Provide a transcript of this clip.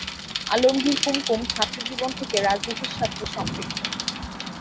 আলমগীর কুমকুম ছাত্রজীবন থেকে রাজনীতির সাথে সম্পৃক্ত।